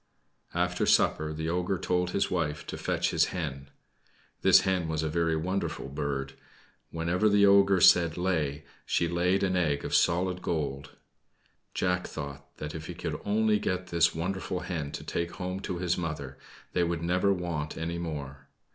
After supper, the ogre told his wife to fetch his hen. This hen was a very wonderful bird. Whenever the ogre said "Lay" she laid an egg of solid gold. Jack thought that if he could only get this wonderful hen to take home to his mother, they would never want any more.